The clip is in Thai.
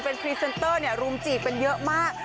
เป็นพรีเซนเตอร์เนี่ยรุมจีบเป็นเยอะมาก